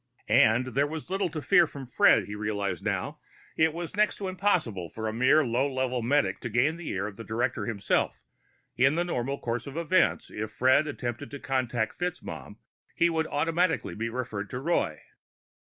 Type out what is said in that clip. And there was little to fear from Fred, he realized now. It was next to impossible for a mere lower level medic to gain the ear of the director himself; in the normal course of events, if Fred attempted to contact FitzMaugham, he would automatically be referred to Roy.